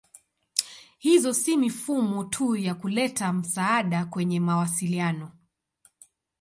Hizo si mifumo tu ya kuleta msaada kwenye mawasiliano.